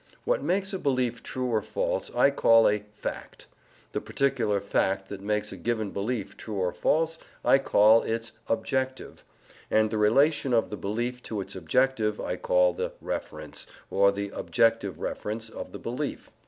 What makes a belief true or false I call a "fact." The particular fact that makes a given belief true or false I call its "objective,"* and the relation of the belief to its objective I call the "reference" or the "objective reference" of the belief.